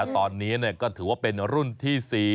ตอนนี้ก็ถือว่าเป็นรุ่นที่๔